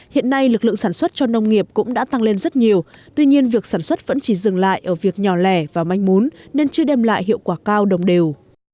hiện nay lực lượng sản xuất cho nông nghiệp cũng đã tăng lên rất nhiều tuy nhiên việc sản xuất vẫn chỉ dừng lại ở việc nhỏ lẻ và manh mún nên chưa đem lại hiệu quả cao đồng đều